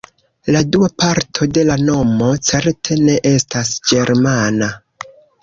La dua parto de la nomo certe ne estas ĝermana.